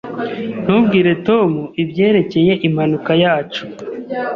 Ntubwire Tom ibyerekeye impanuka yacu.